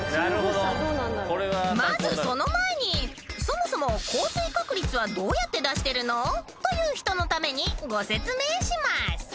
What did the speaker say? ［まずその前に「そもそも降水確率はどうやって出してるの？」という人のためにご説明します］